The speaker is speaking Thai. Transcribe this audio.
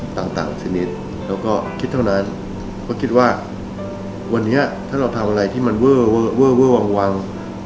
ต่างชนิดแล้วก็คิดเท่านั้นเพราะคิดว่าวันนี้ถ้าเราทำอะไรที่มันเวอร์เวอร์เวอร์วัง